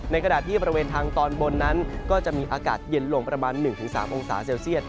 ขณะที่บริเวณทางตอนบนนั้นก็จะมีอากาศเย็นลงประมาณ๑๓องศาเซลเซียต